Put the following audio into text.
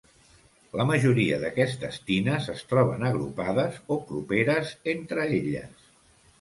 La majoria d'aquestes tines es troben agrupades o properes entre elles.